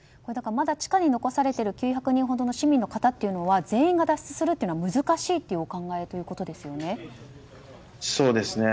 まだ地下に残されている９００人ほどの市民の方は全員が脱出するのは難しいというお考えとのことですよね。